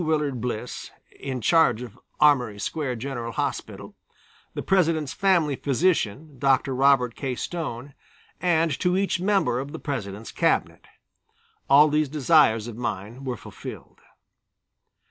Willard Bliss, in charge of Armory Square General Hospital, the President's family physician, Dr. Robert K. Stone, and to each member of the President's Cabinet. All these desires of mine were fulfilled.